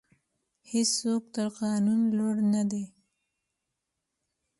هیڅوک تر قانون لوړ نه دی.